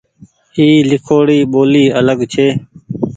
اي ليکوڙي ٻولي آلگ ڇي۔